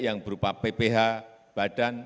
yang berupa pph badan